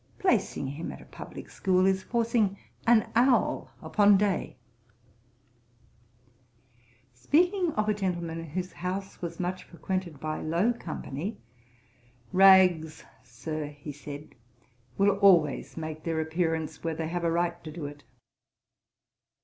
Placing him at a publick school is forcing an owl upon day.' Speaking of a gentleman whose house was much frequented by low company; 'Rags, Sir, (said he,) will always make their appearance where they have a right to do it.'